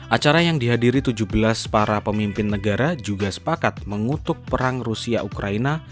acara yang dihadiri tujuh belas para pemimpin negara juga sepakat mengutuk perang rusia ukraina